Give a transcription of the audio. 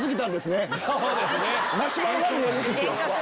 マシュマロが見えるんですよ。